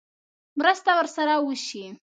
مرسته ورسره وشي.